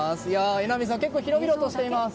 榎並さん、結構広々としていますよ。